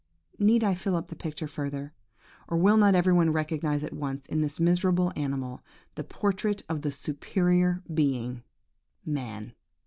Need I fill up the picture further, or will not every one recognise at once in this miserable animal the portrait of the superior being, MAN!